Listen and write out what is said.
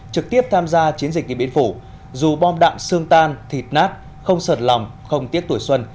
trực tiếp tham gia chiến dịch điện biên phủ dù bom đạn xương tan thịt nát không sợt lòng không tiếc tuổi xuân